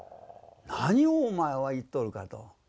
何をお前は言っとるかと。